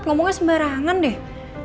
ngomongnya sembarangan deh